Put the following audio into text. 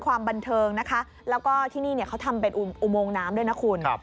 ความบันเทิงนะคะแล้วก็ที่นี่เขาทำเป็นอุโมงน้ำด้วยนะคุณ